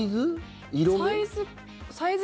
サイズ？